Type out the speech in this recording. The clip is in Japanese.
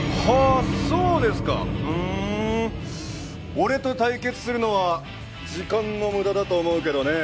俺と対決するのは時間の無駄だと思うけどねえ。